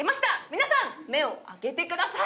皆さん目を開けてください。